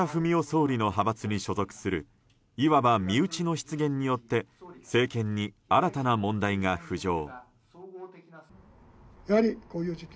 総理の派閥に所属するいわば身内の失言によって政権に新たな問題が浮上。